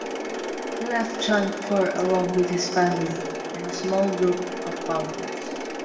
He left Jaunpur along with his family and a small group of followers.